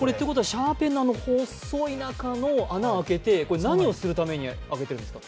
シャーペンのあの、細い中に穴を開けて、何をするために開けてるんですか？